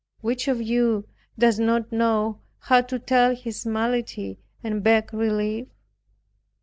Which of you does not know how to tell his malady, and beg relief?